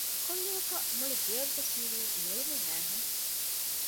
ކުއްލިއަކަށް މުޅި ގެޔަށްވެސް ހީވީ ލޮޅުމެއް އައީހެން